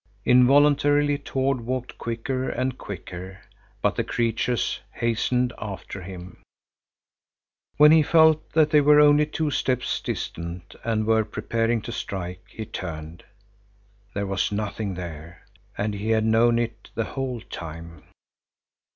Involuntarily Tord walked quicker and quicker, but the creatures hastened after him. When he felt that they were only two steps distant and were preparing to strike, he turned. There was nothing there, and he had known it the whole time.